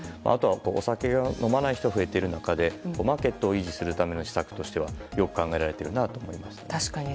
お酒を飲まない人が増えている中でマーケットを維持するための秘策としてはよく考えられているなと。